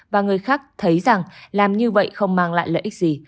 và người khác thấy rằng làm như vậy không mang lại lợi ích gì